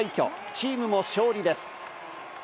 チームも勝利です。